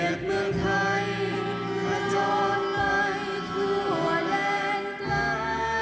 กระจ่อนไปทั่วแหล่งไกล